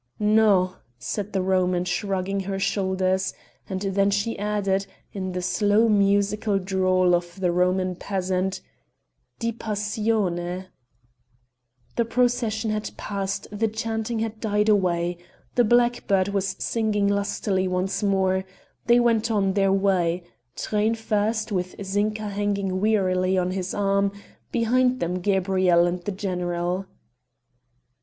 "No," said the Roman shrugging her shoulders; and then she added, in the slow musical drawl of the Roman peasant: "Di passione." The procession had passed, the chanting had died away; the blackbird was singing lustily once more; they went on their way Truyn first, with Zinka hanging wearily on to his arm, behind them Gabrielle and the general.